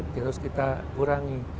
terus kita kurangi